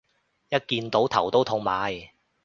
一見到頭都痛埋